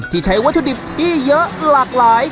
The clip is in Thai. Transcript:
ใช้วัตถุดิบที่เยอะหลากหลาย